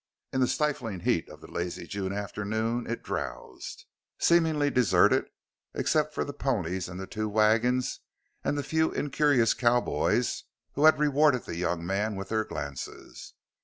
In the stifling heat of the lazy June afternoon it drowsed, seemingly deserted except for the ponies and the two wagons, and the few incurious cowboys who had rewarded the young man with their glances.